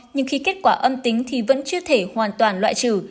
nhưng khi kết quả âm tính thì vẫn chưa thể hoàn toàn loại trừ